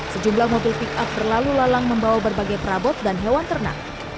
sejumlah mobil pick up berlalu lalang membawa berbagai perabot dan hewan ternak